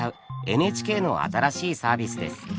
ＮＨＫの新しいサービスです。